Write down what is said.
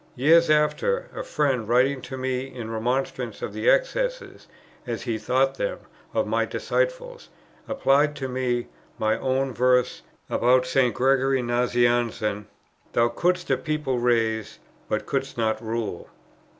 Years after, a friend, writing to me in remonstrance at the excesses, as he thought them, of my disciples, applied to me my own verse about St. Gregory Nazianzen, "Thou couldst a people raise, but couldst not rule."